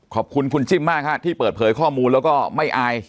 ขอบคุณคุณจิ้มมากฮะที่เปิดเผยข้อมูลแล้วก็ไม่อาย